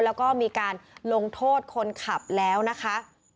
แล้วก็มีการลงโทษคนขับแล้วนะคะ